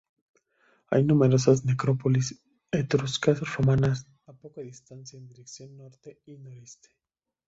Hay numerosas necrópolis etruscas-romanas a poca distancia en dirección norte, noreste.